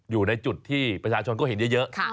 อยู่ในจุดที่ประชาชนก็เห็นเยอะ